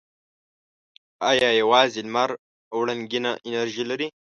آیا یوازې لمر وړنګینه انرژي لري؟